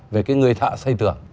về cái người thợ xây tưởng